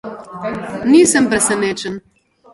Nisem presenečen.